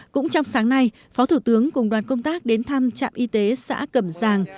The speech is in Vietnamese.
cũng trong sáng nay phó thủ tướng cùng đoàn công tác đến thăm trạm y tế xã cẩm giàng